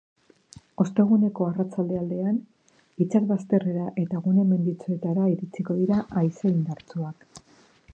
Osteguneko arratsalde aldean itsasbazterrera eta gune menditsuetara iritsiko dira haize indartsuak.